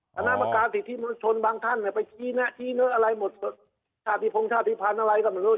อ๋อตอนนั้นประกาศสิทธิบัญชนบางท่านเนี้ยไปชี้เนื้อชี้เนื้ออะไรหมดชาติพงชาติภัณฑ์อะไรก็ไม่รู้